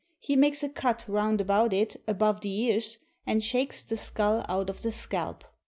He makes a cut round about it above the ears, and shakes the skull out of the scalp.